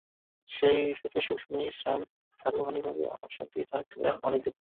সেই থেকে সুসুমি সান সার্বক্ষণিক ভাবে আমার সঙ্গেই থাকলেন অনেক দিন।